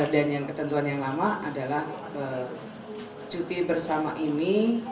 dan yang ketentuan yang lama adalah cuti bersama ini